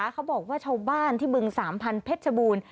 เขาบอกว่าชาวบ้านที่เบื้อง๓๐๐๐เพชรบูรณ์